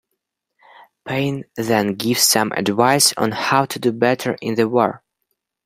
Paine then gives some advice on how to do better in the war.